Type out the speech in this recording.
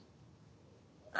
あ